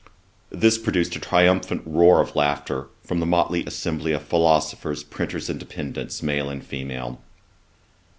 This produced a triumphant roar of laughter from the motley assembly of philosophers, printers, and dependents, male and female.